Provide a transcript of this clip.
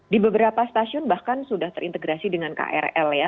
di beberapa stasiun bahkan sudah terintegrasi dengan krl ya